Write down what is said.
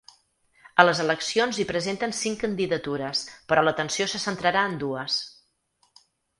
A les eleccions hi presenten cinc candidatures, però l’atenció se centrarà en dues.